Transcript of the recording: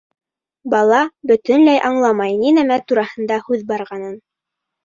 Бала бөтөнләй аңламай ни нәмә тураһында һүҙ барғанын.